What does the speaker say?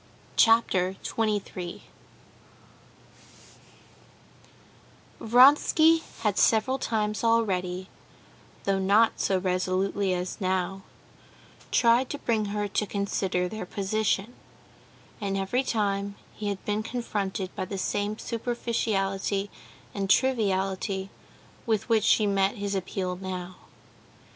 Chapter 23 Vronsky had several times already, though not so resolutely as now, tried to bring her to consider their position, and every time he had been confronted by the same superficiality and triviality with which she met his appeal now.